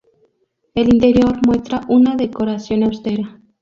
El interior muestra una decoración austera.